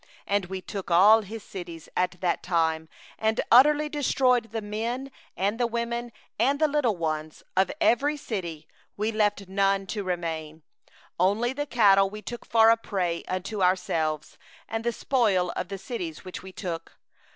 34And we took all his cities at that time, and utterly destroyed every city, the men, and the women, and the little ones; we left none remaining; 35only the cattle we took for a prey unto ourselves, with the spoil of the cities which we had taken.